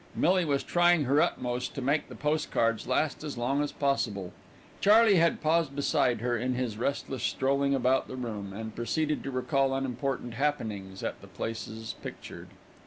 Millie was trying her utmost to make the postcards last as long as possible. Charley had paused beside her in his restless strolling about the room, and proceeded to recall unimportant happenings at the places pictured.